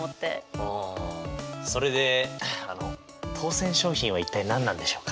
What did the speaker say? ああそれであの当選賞品は一体何なんでしょうか？